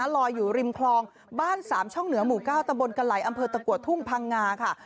ลอยอยู่ริมคลองบ้านสามช่องเหนือหมู่๙ตะบนกะไหลอำเภอตะกัวทุ่งพังงาค่ะ